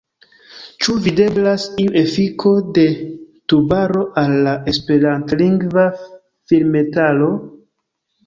Ĉu videblas iu efiko de Tubaro al la esperantlingva filmetaro?